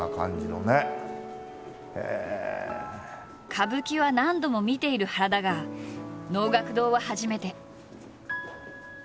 歌舞伎は何度も見ている原だが能楽堂は初めて。